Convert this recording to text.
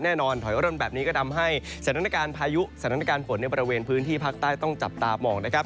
แน่นอนถอยร่นแบบนี้ก็ทำให้สถานการณ์พายุสถานการณ์ฝนในบริเวณพื้นที่ภาคใต้ต้องจับตามองนะครับ